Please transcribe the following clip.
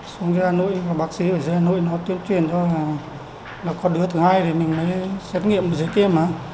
xuống ra hà nội bác sĩ ở ra hà nội nó tuyên truyền thôi là có đứa thứ hai thì mình mới xét nghiệm dưới kia mà